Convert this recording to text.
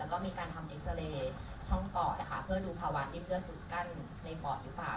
แล้วก็มีการทำเอ็กซาเรย์ช่องปอดนะคะเพื่อดูภาวะที่เพื่อฝึกกั้นในปอดหรือเปล่า